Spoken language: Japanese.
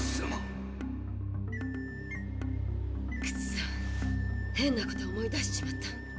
くそ変なこと思い出しちまった。